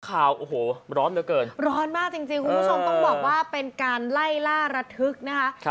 ข่าวโอ้โหร้อนเหลือเกินร้อนมากจริงคุณผู้ชมต้องบอกว่าเป็นการไล่ล่าระทึกนะคะ